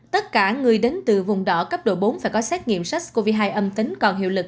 tất cả người đến từ vùng đỏ cấp độ bốn phải có xét nghiệm sars cov hai âm tính còn hiệu lực